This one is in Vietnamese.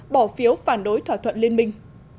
bỏ phiếu phản đối thỏa thuận liên minh